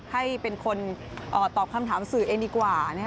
ให้เป็นคนตอบคำถามสื่อเองดีกว่า